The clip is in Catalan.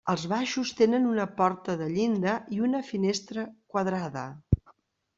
Els baixos tenen una porta de llinda i una finestra quadrada.